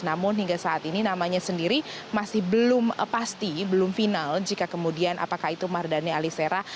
namun hingga saat ini namanya sendiri masih belum pasti belum final jika kemudian apakah itu mardani alisera